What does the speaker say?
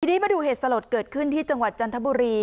ทีนี้มาดูเหตุสลดเกิดขึ้นที่จังหวัดจันทบุรี